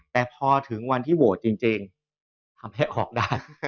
แต่พอถึงวันที่โหวตจริงทำให้ออกได้